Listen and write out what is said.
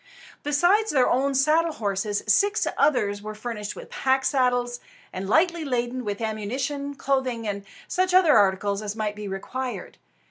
Besides their own saddle horses, six others were furnished with pack saddles, and lightly laden with ammunition, clothing, and such other articles as might be required.